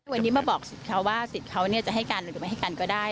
วันนี้มาบอกสิทธิ์เขาว่าสิทธิ์เขาจะให้กันหรือไม่ให้กันก็ได้